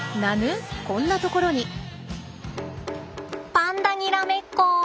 パンダにらめっこ！